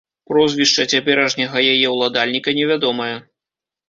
Прозвішча цяперашняга яе ўладальніка невядомае.